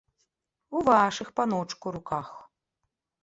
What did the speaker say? У вашых, паночку, руках.